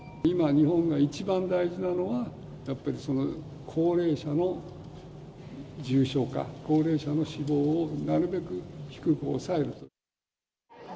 今、日本が一番大事なのは、やっぱり、高齢者の重症化、高齢者の死亡をなるべく低く抑えると。